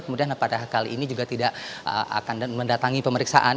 kemudian pada kali ini juga tidak akan mendatangi pemeriksaan